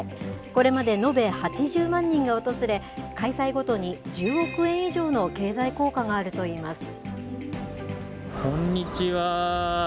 これまで延べ８０万人が訪れ、開催ごとに１０億円以上の経済効果こんにちは。